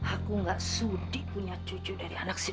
aku nggak sudi punya cucu dari anak si dinta